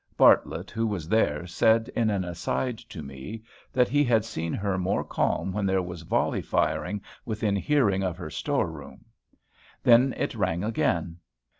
Bartlett, who was there, said in an aside to me, that he had seen her more calm when there was volley firing within hearing of her store room. Then it rang again.